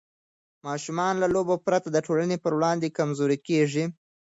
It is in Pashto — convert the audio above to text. ماشومان له لوبو پرته د ټولنې په وړاندې کمزوري کېږي.